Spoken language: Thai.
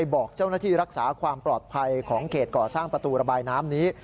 บอกเจ้าหน้าที่รักษาความปลอดภัยของเขตก่อสร้างประตูระบายน้ำนี้